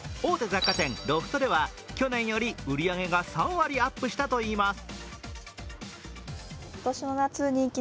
雑貨店ロフトでは去年より売り上げが３割アップしたといいます。